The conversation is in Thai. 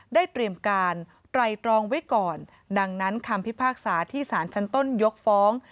ได้เตรียมการตรายตรองไว้ก่อนดังนั้นคำพิภาษาที่สารจันทร์ต้นยกฟ้อง